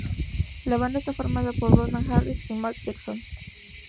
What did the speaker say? La banda está formada por Ronan Harris y Mark Jackson.